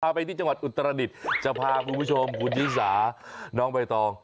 ไปที่จังหวัดอุตรดิษฐ์จะพาคุณผู้ชมคุณชิสาน้องใบตอง